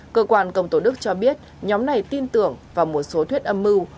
cơ quan công tổ đức cho biết nhóm này tin tưởng vào một số thuyết âm mưu